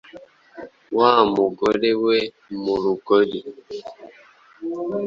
Wa mugore we mu rugori